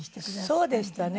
そうでしたね。